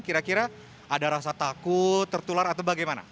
kira kira ada rasa takut tertular atau bagaimana